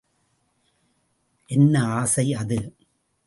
என்ன ஆசை அது?